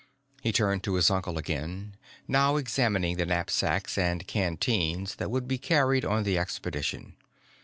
He turned to his uncle again, now examining the knapsacks and canteens that would be carried on the expedition.